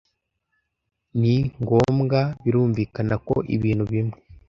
Ni ngombwa. Birumvikana ko ibintu bimwe